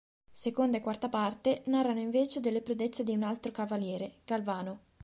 Seconda e quarta parte narrano invece delle prodezze di un altro cavaliere, Galvano.